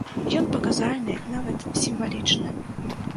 Ён паказальны, нават сімвалічны.